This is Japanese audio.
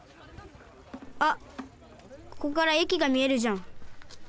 あっここからえきがみえるじゃん。